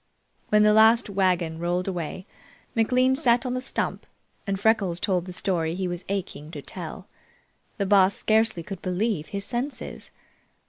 When the last wagon rolled away, McLean sat on the stump and Freckles told the story he was aching to tell. The Boss scarcely could believe his senses.